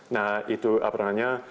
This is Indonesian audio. nah itu apalagi